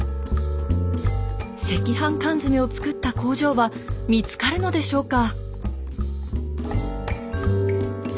赤飯缶詰を作った工場は見つかるのでしょうか？